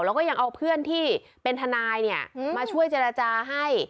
แล้วก็ยังเอาเพื่อนที่เป็นทนายเนี่ยมาช่วยเจรจาให้